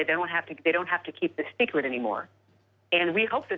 ชั่วโทษตัวครับ